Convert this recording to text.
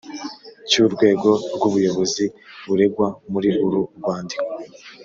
cy’urwego rw’ubuyobozi buregwa muri uru rwandiko